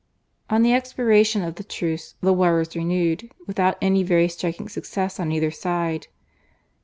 On the expiration of the truce the war was renewed without any very striking success on either side.